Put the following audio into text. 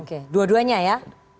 oke dua duanya ya